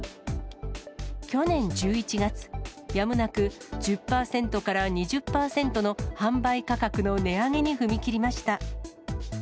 去年１１月、やむなく１０％から２０％の販売価格の値上げに踏み切りました。